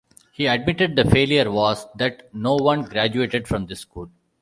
He admitted the failure was that no one graduated from this school.